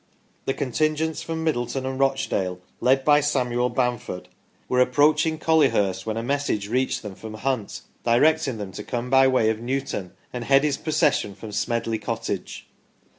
The contingents from Middleton and Rochdale, led by Samuel Bamford, were approaching Colly hurst, when a message reached them from Hunt, directing them to come by way of Newton and head his procession from Smedley Cottage.